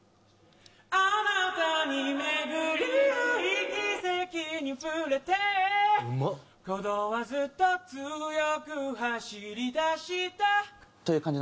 「あなたに巡り合い」「奇跡に触れて」「鼓動はずっと強く走り出した」という感じ。